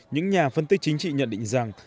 những nhà phân tích chính trị nhận định rằng